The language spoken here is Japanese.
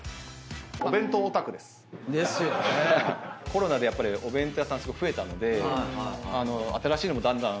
コロナでやっぱりお弁当屋さんすごい増えたので新しいのもだんだん。